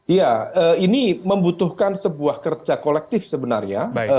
iya ini membutuhkan sebuah kerja kolektif sebenarnya